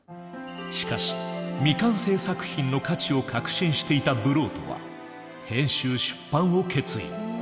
しかし未完成作品の価値を確信していたブロートは編集・出版を決意。